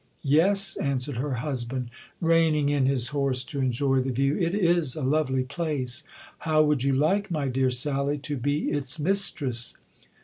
"Yes," answered her husband, reining in his horse to enjoy the view; "it is a lovely place. How would you like, my dear Sally, to be its mistress?"